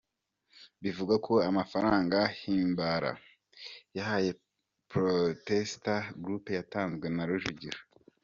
Bivugwa ko amafaranga Himbara yahaye Podesta Group yatanzwe na Rujugiro.